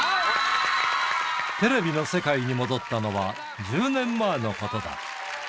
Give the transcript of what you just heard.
テレビの世界に戻ったのは１０年前のことだ。